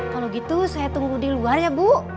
kalau gitu saya tunggu di luar ya bu